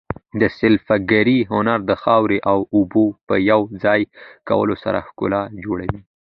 د سفالګرۍ هنر د خاورې او اوبو په یو ځای کولو سره ښکلا جوړوي.